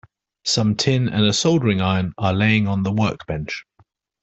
Some tin and a soldering iron are laying on the workbench.